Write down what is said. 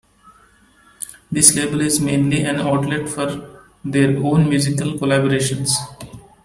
This label is mainly an outlet for their own musical collaborations.